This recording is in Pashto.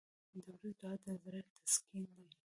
• د ورځې دعا د زړه تسکین دی.